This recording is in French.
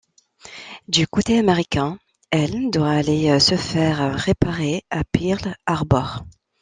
Du côté américain, l' doit aller se faire réparer à Pearl-Harbor.